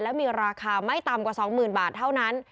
และมีราคาไม่ต่ำกว่า๒๐๐๐บาทเท่านั้น